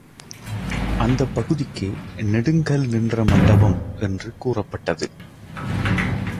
அந்தப் பகுதிக்கு நெடுங்கல்நின்ற மண்டபம் என்று கூறப்பட்டது.